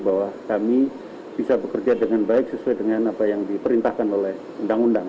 bahwa kami bisa bekerja dengan baik sesuai dengan apa yang diperintahkan oleh undang undang